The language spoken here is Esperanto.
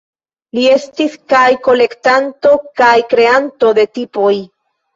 Li estis kaj kolektanto kaj kreanto de tipoj.